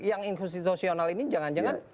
yang inkonstitusional ini jangan jangan